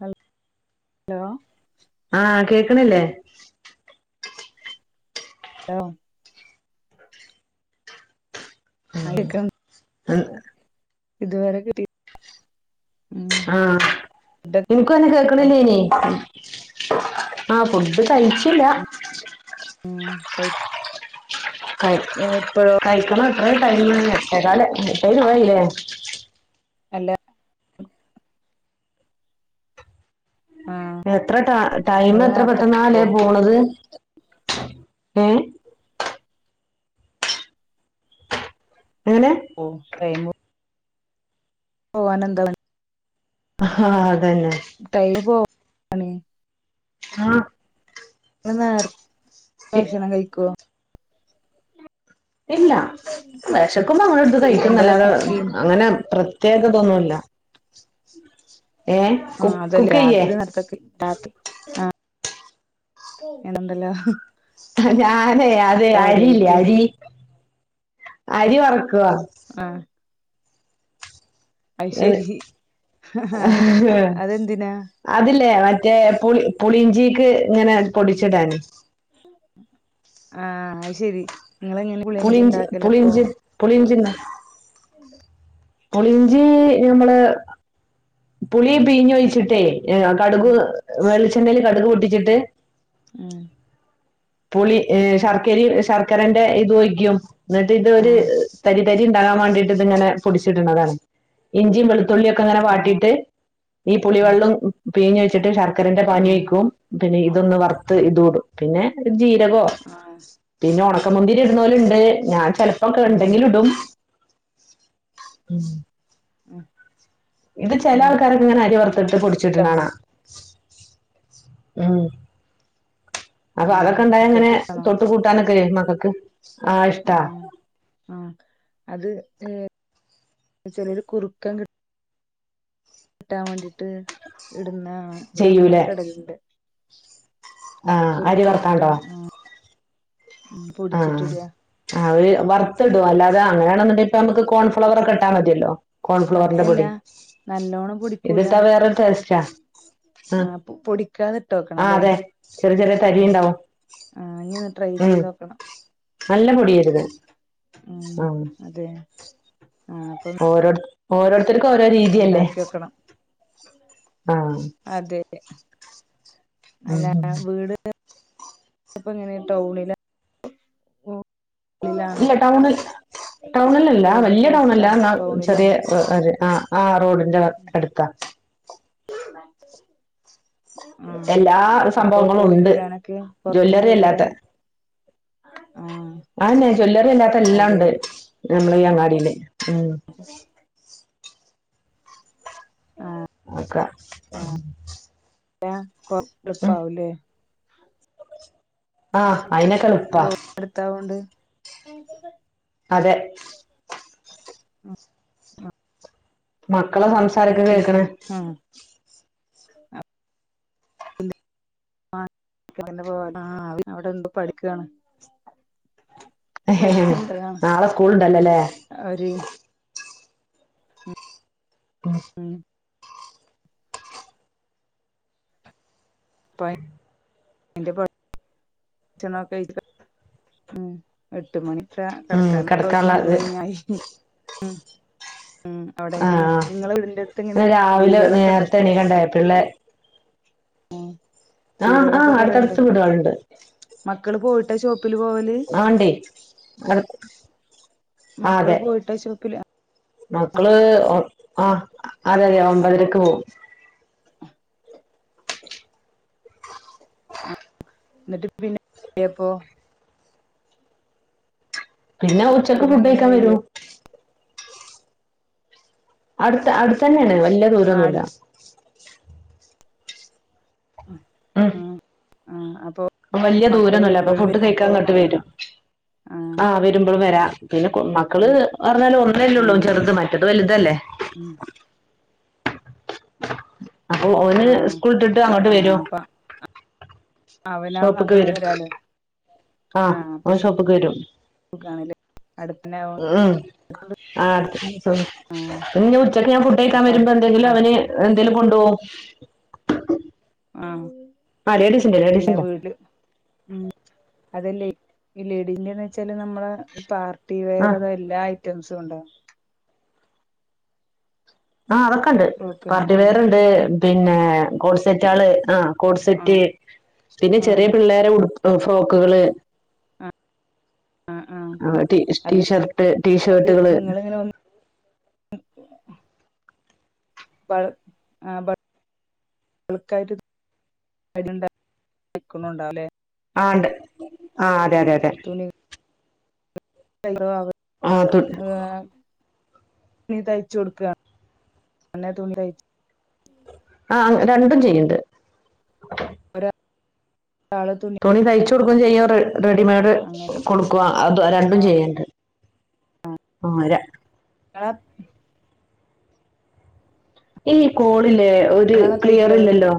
Hello hello ആഹ കേക്കിണില്ലേ? [unintelligible] ആയിക്കം ഉം ഇതുവരെ കിട്ടി ഉം ഫുഡ് ഇനക്കുക്ക്ന്നെ കേൾക്കണില്ലേനി ആ പ് അത് കഴിച്ചില്ല ഉം കഴിച്ച് [inaudible] ക ഇപ്പഴോ കഴിക്കണ എത്ര ടൈമ് എട്ടേക്കാല എട്ട് ഇരുപത് ആയില്ലേ അല്ല ആഹ് എത്ര ടൈം ഇങ്ങള് എത്ര നേർത്തെ പെട്ടെന്നാ അല്ലേ പോവോ പോണത് ഏ എങ്ങനെ ഓ ടൈമ് ഓ ആയിന് എന്താവന് ആ അ ടൈമ് പോവാണ് ആ നിങ്ങള് നേരത്തെ ഭക്ഷണം കഴിക്കുവൊ ഇല്ല വിശക്കുമ്പോ അങ്ങട് എടുത്ത് കഴിക്കും എന്താ അല്ലാതെ കുക്കിങ് അങ്ങനെ പ്ര തേകതൊന്നുമല്ല ഏ കു ആഹ് അതല്ലേ കുക്കയ്യാ രാത്രി നേർത്തൊക്കെ നണ്ടല്ലോ ഞാനേ അതെ അരിയില്ലേ അരി അരി വറക്കുവോ ആഹ് അത് ശരി അതെന്തിനാ അതില്ലേ മറ്റേ പുളി പുളിഞ്ചിക്ക് ഇങ്ങനെ പൊടിച്ചിടാന് ആ ശരി ഇങ്ങളെങ്ങനെ പുളിയിഞ്ചി പുളിഞ്ച് ഇണ്ടാക്കലപ്പൊ പുളിഞ്ചി പുളിഞ്ചിന പുളിഞ്ചി ഞമ്മള് പുളി പിഴിഞ്ഞൊഴിച്ചിട്ടേ ഏ കടുക് ഉം വെളിച്ചെണ്ണല് കടുക് പൊട്ടിച്ചിട്ട് ഉം പുളി ശർക്കര ശർക്കരന്റെ ഇത് ഒഴിക്കും എന്നിട്ട് ഇതൊരു ആഹ് തരി തരി ഉണ്ടാൻ വേണ്ടിട്ട് ഇത് ഇങ്ങനെ പൊടിച്ചിടുന്നതാണ് ഇഞ്ചി വെളു തുള്ളിയൊക്കെങ്ങനെ വാട്ടീട്ട് ഈ പുളി വെള്ളം പിഴിഞ്ഞ് വെച്ചിട്ട് ശർക്കരന്റെ പാനി ആഹ് ഒഴിക്കും പിന്നെ ഇതൊന്ന് വറുത്ത് ഇതു ഇടും പിന്നെ ജീരകോ ആഹ് പിന്നെ ഉണ ഉണക്കമുന്തിരി ഇടുന്നവരുണ്ട് ഞാൻ ചിലപ്പോക്കെ ആഹ് ഇണ്ടെങ്കില് ഇടും ഉം ഉം ഇത് ചില ആൾക്കാരൊക്കെ ഇങ്ങനെ അരി വറുത്തിട്ട് മക്കക്ക് പൊടിച്ചിട്ടിട ഇഷ്ടാണോ കണാ ഉം അപ്പൊ ആഹ് അതൊക്കെ ഉണ്ടായ അങ്ങനെ മക്കക്ക് ഇഷ്ടാണോ തൊട്ട് കൂട്ടാനൊക്കെല്ലേ മക്കൾക്ക് ആ ആ അത് ഏ ചെറിയരു കുറുക്കൻ കിട്ട കിട്ടാൻ വേണ്ടിട്ട് ഇടുന്ന ഇവിടെ അമ്മക്കെടലുണ്ട് ആ അരി വർക്കാണ്ടോ കിട്ടാൻ ആ പൊടിച്ചിട്ട് ഇടുക അവര് വറുത്തിടും അല്ലാതെ അങ്ങനെയാണെന്നിണ്ടല് അപ്പം നമുക്ക് കോൺഫ്ലവർക്കെ ഇട്ടാ മതില്ലോ കോൺഫ്ലോറിന്റെ അങ്ങനെയല്ല പൊടി നല്ലോണം പൊടിക്കൂല ഇതിട്ടാ വേറൊരു ടേസ്റ്റാ ആ ആഹ് പൊ പൊടിക്കാതെ ഇട്ട് നോക്കണം ആ അല്ലേ അതെ ചെറിയ ചെറിയ തരി ആഹ് ഇണ്ടാവും ആഹ് ഇനി ഒന്ന് ട്രൈ ഉം ചെയ്ത് നോക്കണം നല്ല പൊടിരുത് ഉം അതെ ആഹ് ഓരോ ഓരോരുത്തർക്കും ഓരോ രീതിയല്ലേ ഉണ്ടാക്കി നോക്കണം ആ അതെ അല്ല വീട് ഇപ്പം എങ്ങനെ ടൗണിലാ ഉള്ളിലാണോ ഇല്ല ടൗണിൽ ടൗണിലല്ല റോഡിലൊക്കെ വല്യ ടൗണല്ല അടുത്താണോ എന്ന ചെറിയ ടൗണിലാണോ ഒരു ആ ആഹ റോഡിന്റെ അടുക്കാ ആഹ് എല്ലാ അപ്പൊ സംഭവങ്ങളും പോയി ഉണ്ട് വരാനൊക്കെ പൊറത്ത് ജ്വല്ലറി പോയി അല്ലാത്ത. വരാന് ആഹ് ആന്നെ ജ്വല്ലറി അല്ലാത്ത അതെ എല്ലണ്ട് നമ്മള ഈ അങ്ങാടില്ലേ ഉം. ഒക്കെ പ ഉം പാവല്ലെ. ആഹ് അയിനൊക്കെളുപ്പാ റോഡ് അടുത്താവോണ്ട് അതെ മക്കളെ സംസാരിക്ക പിന്നെ കേൾക്കണ് ആഹ് ആ അവിടെണ്ട് പഠിക്കണ് നാളെ സ്കൂള ണ്ടല്ലോല്ലേ അവര് ഉം ന്റെ ഛണോക്കഴ ഉം എട്ട് മണി അക്ഷ ഉം കിടക്കാൻ ഇപ്പ ഒരു കിടക്കാനുള്ള മണിക്കൂർ ഇത് കഴിഞ്ഞായി ഉം. ഉം അവിടെ എങ്ങനെ ആഹ് നിങ്ങള വീടിറെ അടുത്ത് എങ്ങനെ രാവിലെ വീടുകളൊക്കെണ്ട നേരത്തെ ഇഷ്ട എണീക്കണ്ടേ പിള്ളേ ഉം ആഹ് ആഹ് അടുത്തടുത്ത് വീടെളുണ്ട്. മക്കൾ പോയിട്ട ആണ്ടേ അ മക്കൾ പോയിട്ടാച്ചോക്കില്ല മക്കള് ആ അതെതെ അപ്പൊ ഒമ്പതരക്ക് പോകും ആ എന്നിട്ട് പിന്നെപ്പൊ പിന്നെ ഉച്ചക്ക് പിന്നെ ഫുഡ് എങ്ങനെ കയിക്കാൻ വര വരും അടുത്ത അടുത്തന്നെണ് വല്യ ആ ദൂരൊന്നുല്ല അടുത്ത് ആ ആ അപ്പൊ വലിയ മക്കള് ദൂരൊന്നുല്ല അപ്പൊ വരുമ്പോഴും ഫുഡ് വരും കഴിക്കാങ്ങോട്ട് വരും ആ ആ് വരുമ്പളും വരാ പിന്നെ ആ മക്കള് പറഞ്ഞാല് ഒന്നല്ലേ ഉള്ളൂ ചെറുത് മറ്റത് വലുതല്ലേ. ഉം അപ്പൊ ഓന് ആ സ്കൂളട്ട ഇട്ട് അങ്ങോട്ട് ആ വരും അപ്പൊ അവന അങ്ങോട് വരല് ആഹ് ഓൻ ഷോപ്ക്ക് വരും അടുത്തി ഉം ആ ഉച്ചക്ക് ഞാൻ ഫുഡ് കഴിക്കാൻ അപ്പ അടു വരുമ്പോ എന്തെങ്കിലും അവന് എന്തേലും കൊണ്ടുപോകും ആഹ് ആഹ ലേഡീസിന്റെ ലേഡീസിന്റ ഉം അതല്ലേ ഈ ലഡിന്റെന്ന് വെച്ചാല് നമ്മള ഇപ്പ ആ വെയർ അതോ എല്ലാ ഐറ്റംസും ഉണ്ട ആ അതൊക്കെ ഉണ്ട് ഫ്രോക്ക് പാർട്ടി ആ വെയർ ഉണ്ട് പിന്നെ കോൾസെറ്റ ആള് ആഹ്. ആ കോട്സെറ്റ് പിന്നെ ആ ചെറിയ പിള്ളേരെ ഉടു ഫ്രോക്കുകള്. ആ അത് ട്ടിഷർട്ട ് ടീഷർട്ടുകള് നിങ്ങളിങ്ങനെ ഒന്ന് ആഹ് ബൾക്കായിട്ട്ുന്നുണ്ടേ ആ അതെതെതെ ആഏ [inaudible] തുണി തയ്ച്ചു കൊടുക്ക എന്നെ തുണി തയ്ച്ച ആ രണ്ടും ചെയ്യണ്ട്. ഒരാള് തുന്നി തുണി തയ്ച്ച കൊടുക്കും ചെയ്യ റെഡിമെയഡ് കൊടുക്കുക അത് രണ്ടും അങ്ങനെയാണോ ചെയ്യണ്ട്. ആരാ ഈ കോളില്ലേ ഒരു നിങ്ങളാണോ ക്ലിയർ തയ്ക്കല് ഇല്ലല്ലോ.